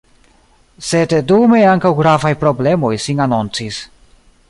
Sed dume ankaŭ gravaj problemoj sin anoncis.